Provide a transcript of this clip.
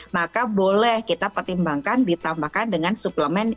maka boleh kita pertimbangkan ditambahkan dengan suplemen